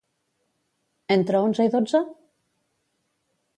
Entre onze i dotze?